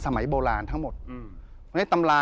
เหมือนเล็บแต่ของห้องเหมือนเล็บตลอดเวลา